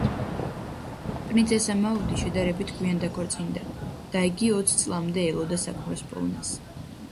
პრინცესა მაუდი შედარებით გვიან დაქორწინდა და იგი ოც წლამდე ელოდა საქმროს პოვნას.